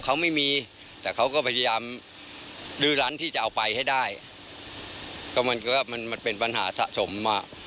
ร่านที่จะเอาไปให้ได้มันเป็นปัญหาสะสมมาก